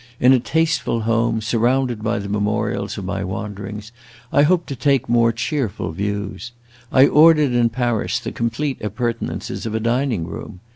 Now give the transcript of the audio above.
In a tasteful home, surrounded by the memorials of my wanderings, I hope to take more cheerful views. I ordered in Paris the complete appurtenances of a dining room.